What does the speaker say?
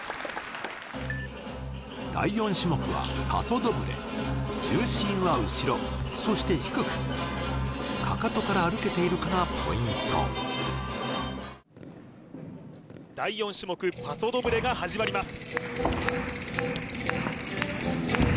第４種目はパソドブレ重心は後ろそして低くかかとから歩けているかがポイントが始まります